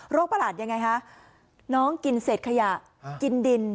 ประหลาดยังไงคะน้องกินเศษขยะกินดิน